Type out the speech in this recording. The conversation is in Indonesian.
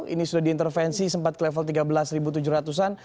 ini sudah diintervensi sempat ke level tiga belas tujuh ratus an